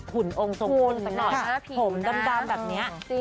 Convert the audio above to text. หุ่นองค์สมบูรณ์หน่อยผมดำดำแบบนี้